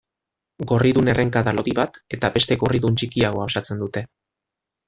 Gorridun errenkada lodi bat eta beste gorridun txikiagoa osatzen dute.